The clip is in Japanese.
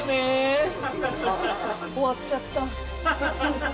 終わっちゃった。